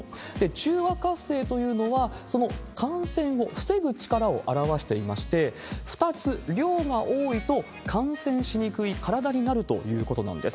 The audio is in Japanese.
中和活性というのは、その感染を防ぐ力を表していまして、２つ、量が多いと、感染しにくい体になるということなんです。